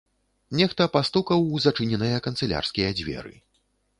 Нехта пастукаў у зачыненыя канцылярскія дзверы.